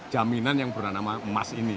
jaminan yang bernama emas ini